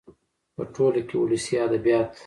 .په ټوله کې ولسي ادبيات